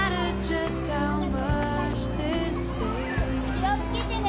気を付けてね！